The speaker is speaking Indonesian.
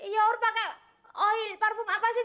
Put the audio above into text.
your pakai oil parfum apa sih